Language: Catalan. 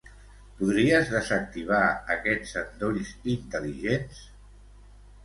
Podries desactivar aquests endolls intel·ligents?